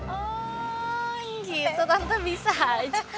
oh gitu tante bisa aja